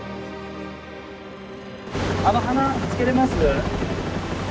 あの鼻つけれます？